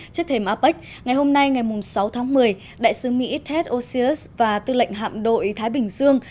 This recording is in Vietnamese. trước thêm apec ngày hôm nay ngày sáu tháng một mươi đại sứ mỹ ted osius và tư lệnh hạm đội thái bình dương